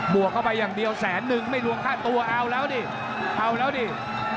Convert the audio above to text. วกเข้าไปอย่างเดียวแสนนึงไม่รวมค่าตัวเอาแล้วดิเอาแล้วดิ